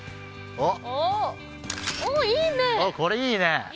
おっこれいいね！